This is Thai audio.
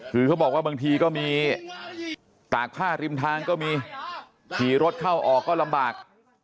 คือเขาบอกว่าบางทีก็มีตากผ้าริมทางก็มีขี่รถเข้าออกก็ลำบาก